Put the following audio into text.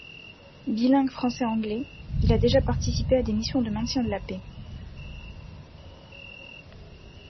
Bilingue français-anglais, il a déjà participé à des missions de maintien de la paix.